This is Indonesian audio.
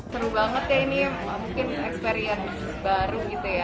seru banget ya ini mungkin experience baru gitu ya